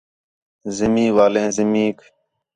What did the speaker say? زمین والیں زمینک